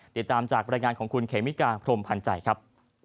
ติดตามจากบรรยายงานของคุณเขมิกาพรมพันธ์ใจครับ